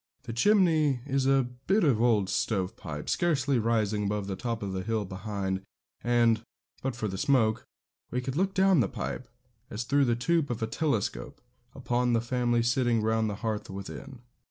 The chimney is a bit of old stove pipe, scarcely rising above the top of the hill behind; and, but for the smoke, we could look down the pipe, as through the tube of a telescope, upon the family sitting round the hearth within.